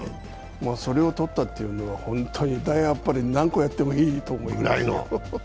それを取ったというのは本当に大あっぱれ、何個やってもいいと思いますよ。